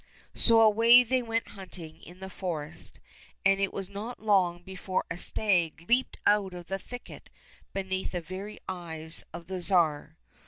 So away they went hunting in the forest, and it was not long before a stag leaped out of the thicket beneath the very eyes of the Tsar.